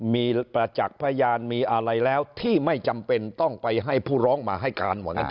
มีประจักษ์พยานมีอะไรแล้วที่ไม่จำเป็นต้องไปให้ผู้ร้องมาให้การว่างั้น